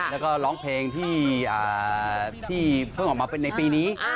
แล้วก็ร้องเพลงที่เพิ่งออกมาเป็นในปีนี้